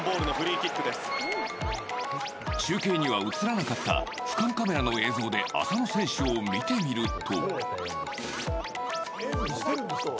中継には映らなかった俯瞰カメラの映像で浅野選手を見てみると。